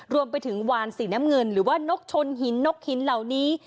รวมไปถึงวานสีน้ำเงินหรือว่านกชนหินนกหินเหล่านี้